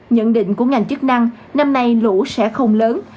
nhận định của ngành chức năng năm nay lũ sẽ không lớn